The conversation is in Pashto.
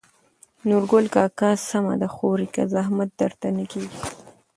نورګل کاکا: سمه ده خورې که زحمت درته نه کېږي.